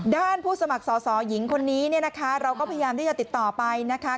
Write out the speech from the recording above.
ผู้สมัครสอสอหญิงคนนี้เนี่ยนะคะเราก็พยายามที่จะติดต่อไปนะคะ